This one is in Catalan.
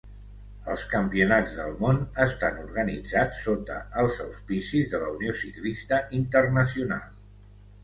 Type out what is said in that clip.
Els Campionats del món estan organitzats sota els auspicis de la Unió Ciclista Internacional.